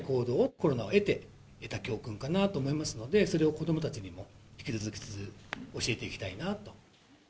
コロナを経て得た教訓かなと思いますので、それを子どもたちにも引き続き教えていきたいなと。